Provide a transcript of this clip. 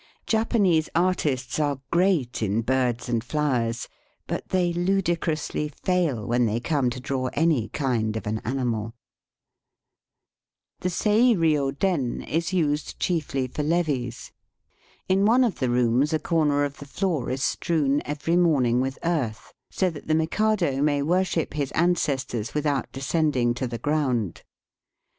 Japanese artists are great in birds and flowers, but they ludicrously fail when they come to draw any kind of an animal. Digitized by VjOOQIC 72 EAST BY WBST. The Sei rio den is used chiefly for levees. In one of the rooms a comer of the floor is strewn every morning with earth, so that the Mikado may worship his ancestors without descending to the ground.